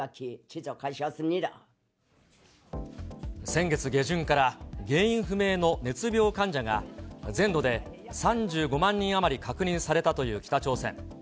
先月下旬から原因不明の熱病患者が、全土で３５万人余り確認されたという北朝鮮。